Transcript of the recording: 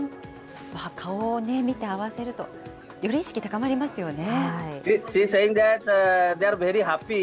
顔を見て合わせると、より意識高まりますよね。